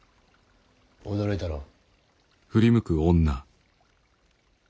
驚いたろう。